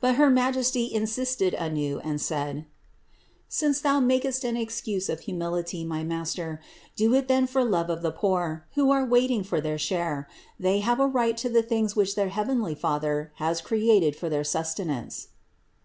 But her Majesty insisted anew and said: "Since thou makest an excuse of humility, my master, do it then for love of the poor, who are waiting for their share ; they have a right to the things which their heav enly Father has created for their sustenance."